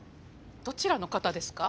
どちらの方ですか？